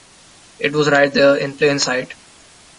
It was right there, in plain sight!